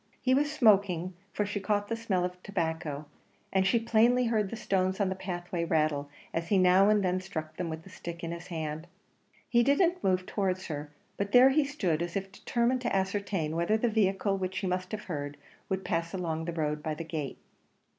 He was smoking, for she caught the smell of the tobacco, and she plainly heard the stones on the pathway rattle as he now and then struck them with the stick in his hand. He didn't move towards her; but there he stood, as if determined to ascertain whether the vehicle which he must have heard, would pass along the road by the gate.